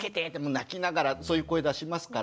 泣きながらそういう声出しますから。